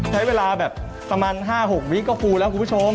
ใช้เวลาแบบประมาณ๕๖วิก็ฟูแล้วคุณผู้ชม